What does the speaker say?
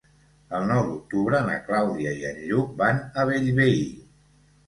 El nou d'octubre na Clàudia i en Lluc van a Bellvei.